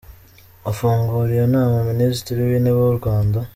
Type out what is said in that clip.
Afungura iyo nama, Minisitiri w’Intebe w’u Rwanda .